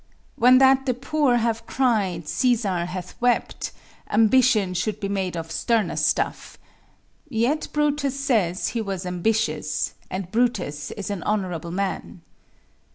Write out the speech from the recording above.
When that the poor have cried, Cæsar hath wept; Ambition should be made of sterner stuff: Yet Brutus says, he was ambitious; And Brutus is an honorable man.